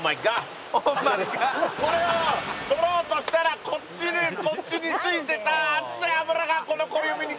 これを取ろうとしたらこっちにこっちについてた熱い油がこの小指に。